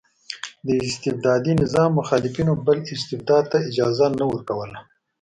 د استبدادي نظام مخالفینو بل استبداد ته اجازه نه ورکوله.